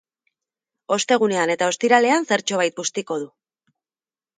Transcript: Ostegunean eta ostiralean zertxobait bustiko du.